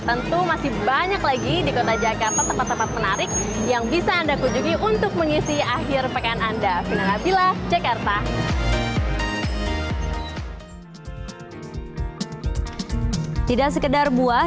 tentu masih banyak lagi di kota jakarta tempat tempat menarik yang bisa anda kunjungi untuk mengisi akhir pekan anda tidak sekedar buah